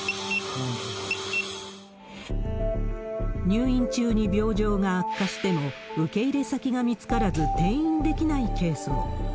入院中に病状が悪化しても、受け入れ先が見つからず、転院できないケースも。